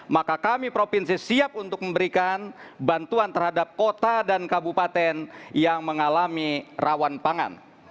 maka kami provinsi siap untuk memberikan bantuan terhadap kota dan kabupaten yang mengalami rawan pangan